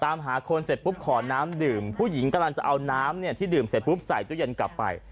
ตามหาคนเสร็จปุ๊บขอน้ำดื่มผู้หญิงกำลังจะเอาน้ำเนี่ยที่ดื่มเสร็จปุ๊บใส่ตู้เย็นกลับไป